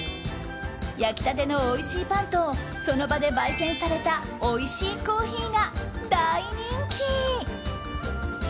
焼きたてのおいしいパンとその場で焙煎されたおいしいコーヒーが大人気！